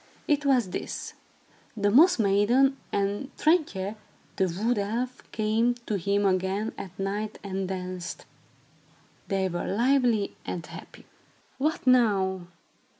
It was this: The Moss Maiden and Trintje, the wood elf, came to him again at night and danced. They were lively and happy. "What now?"